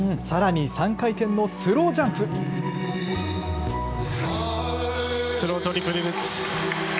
さらに３回転のスロージャンスロートリプルルッツ。